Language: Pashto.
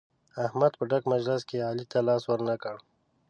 احمد په ډک مجلس کې علي ته لاس ور نه کړ.